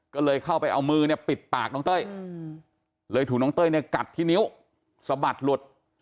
ก็เลยเข้าไปเอามือเนี่ยปิดปากน้องเต้ยเลยถูกน้องเต้ยเนี่ยกัดที่นิ้วสะบัดหลุด